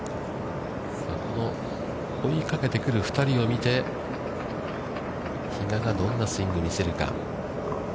この追いかけてくる２人を見て比嘉がどんなスイングを見せるか。